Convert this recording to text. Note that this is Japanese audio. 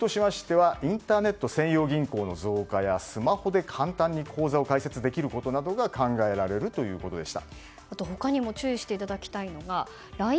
理由としましてはインターネット専用銀行の増加やスマホで簡単に口座を開設できることなどが考えられるということでした。